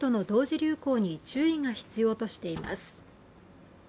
流行に注意が必要としています。